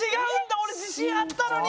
俺自信あったのに。